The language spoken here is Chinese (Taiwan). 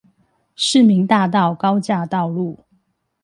市民大道高架道路